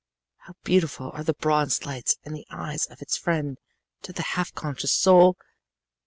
"How beautiful are the bronze lights in the eyes of its friend to the half conscious soul!